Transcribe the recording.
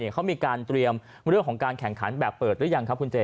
เขามีการเตรียมเรื่องของการแข่งขันแบบเปิดหรือยังครับคุณเจ